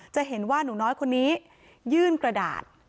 จะเห็นว่าหนูน้อยคนนี้ยื่นกระดาษ